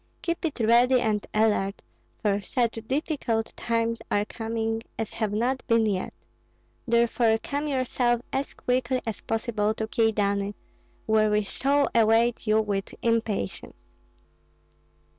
Keep it ready and alert, for such difficult times are coming as have not been yet; therefore come yourself as quickly as possible to Kyedani, where we shall await you with impatience.